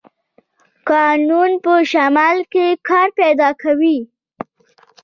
کانونه په شمال کې کار پیدا کوي.